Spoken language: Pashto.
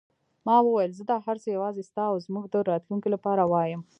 ما وویل: زه دا هر څه یوازې ستا او زموږ د راتلونکې لپاره وایم.